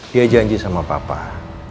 dia janji sama bapak